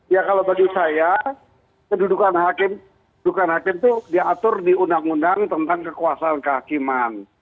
ya kalau bagi saya kedudukan hakim itu diatur di undang undang tentang kekuasaan kehakiman